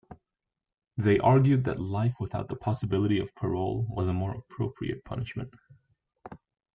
They argued that life without the possibility of parole was a more appropriate punishment.